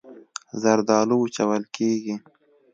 زردالو وچول کېږي.